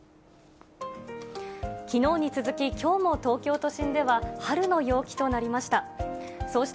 きのうに続ききょうも東京都心では、春の陽気となりました。